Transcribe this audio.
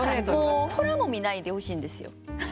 空も見ないでほしいんですよ。